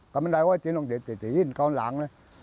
ก็ไม่ได้ว่าสีตรงสีตรงข้างหลัง